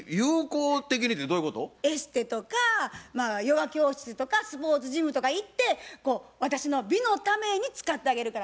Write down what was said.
エステとかまあヨガ教室とかスポーツジムとか行って私の美のために使ってあげるから。